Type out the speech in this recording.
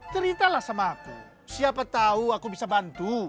jangan salah sama aku siapa tau aku bisa bantu